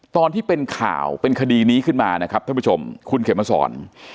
ตอนที่เป็นข่าวเป็นคดีนี้ขึ้นมานะครับท่านผู้ชมคุณเขมสอน